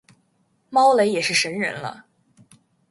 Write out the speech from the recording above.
猫雷也是神人了